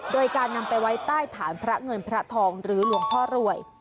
โดยการนำไปไว้ใต้ฐานพระเงินพระทองหรือหลวงพ่อรวย